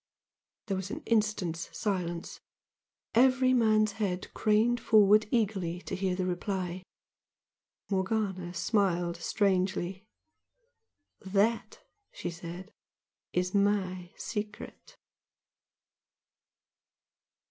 There was an instant's silence. Every man's head craned forward eagerly to hear the reply. Morgana smiled strangely. "That," she said "is MY secret!"